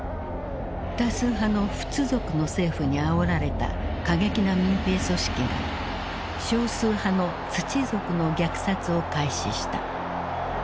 多数派のフツ族の政府にあおられた過激な民兵組織が少数派のツチ族の虐殺を開始した。